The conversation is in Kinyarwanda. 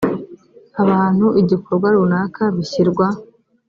abantu igikorwa runaka bishyirwa